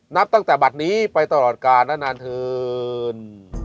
นับตั้งแต่บัตรนี้ไปตลอดกาลและนานเถิน